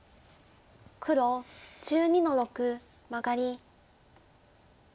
黒１２の六マガリ。